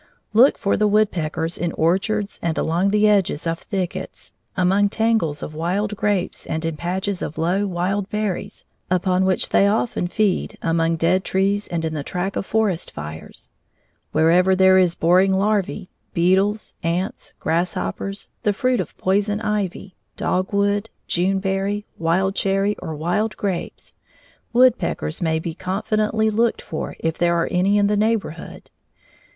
Look for the woodpeckers in orchards and along the edges of thickets, among tangles of wild grapes and in patches of low, wild berries, upon which they often feed, among dead trees and in the track of forest fires. Wherever there are boring larvæ, beetles, ants, grasshoppers, the fruit of poison ivy, dogwood, june berry, wild cherry or wild grapes, woodpeckers may be confidently looked for if there are any in the neighborhood.